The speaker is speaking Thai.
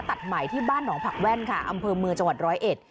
ตัดใหม่ที่บ้านหนองผักแว่นค่ะอำเภอเมืองจังหวัดร้อยเอ็ด